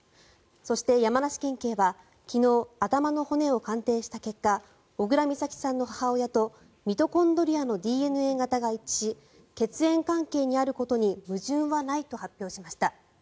そして山梨県警は昨日頭の骨を鑑定した結果小倉美咲さんの母親とミトコンドリアのＤＮＡ型が一致し血縁関係にあることに矛盾はないと発表しました。